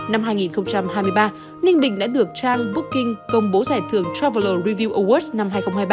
năm hai nghìn hai mươi ba ninh bình đã được trang booking công bố giải thưởng travel review awards năm hai nghìn hai mươi ba